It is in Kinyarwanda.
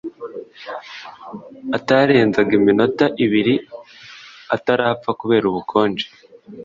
atarenzaga iminota ibiri atarapfa kubera ubukonje.